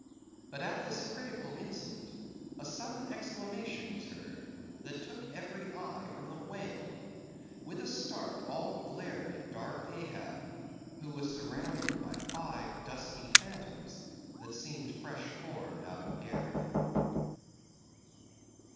But at this critical instant a sudden exclamation was heard that took every eye from the whale. With a start all glared at dark Ahab, who was surrounded by five dusky phantoms that seemed fresh formed out of air.